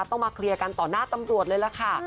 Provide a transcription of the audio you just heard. ต้องมาเคลียร์กันต่อหน้าตำรวจเลยล่ะค่ะ